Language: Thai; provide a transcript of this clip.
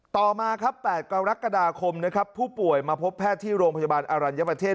ต่อมาครับ๘กรกฎาคมนะครับผู้ป่วยมาพบแพทย์ที่โรงพยาบาลอรัญญประเทศ